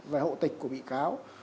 về hộ tịch của bị cáo